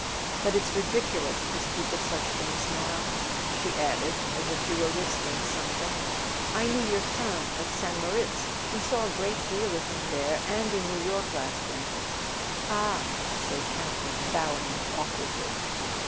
.. but it's ridiculous to speak of such things now." She added, as if she were risking something: "I knew your son at St. Moritz. We saw a great deal of him there, and in New York last winter." "Ah " said Campton, bowing awkwardly.